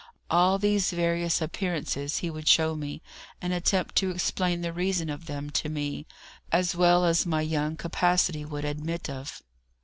All these various appearances he would show me, and attempt to explain the reason of them to me, as well as my young capacity would admit of.